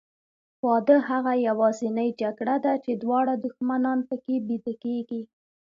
واده هغه یوازینۍ جګړه ده چې دواړه دښمنان پکې بیده کېږي.